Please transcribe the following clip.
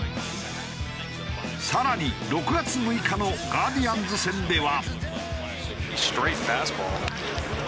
更に６月６日のガーディアンズ戦では。